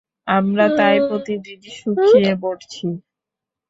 আমরা তাই প্রতিদিন শুকিয়ে মরছি।